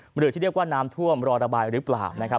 หรือที่เรียกว่าน้ำท่วมรอระบายหรือเปล่านะครับ